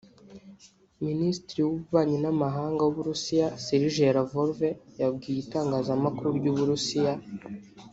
Minisitiri w’ ububanyi n’ amahanga w’ Uburusiya Sergei Lavrov yabwiye itangazamakuru ry’Uburusiya